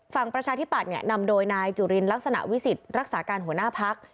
ประชาธิปัตย์นำโดยนายจุลินลักษณะวิสิทธิ์รักษาการหัวหน้าพัก